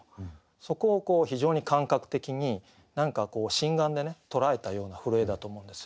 そこを非常に感覚的に何かこう心眼でね捉えたような震えだと思うんですよ。